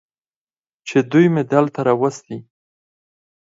چې دوي مې دلته راوستي.